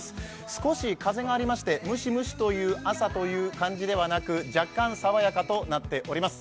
少し風がありまして、ムシムシという朝という感じではなく若干、爽やかとなっております。